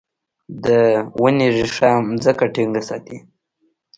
د ونې ریښه ځمکه ټینګه ساتي.